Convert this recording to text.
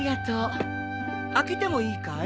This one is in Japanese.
開けてもいいかい？